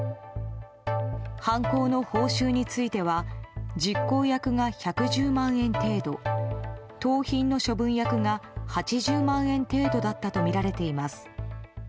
犯行の報酬については実行役が１１０万円程度盗品の処分役が８０万円程度だったとみられています。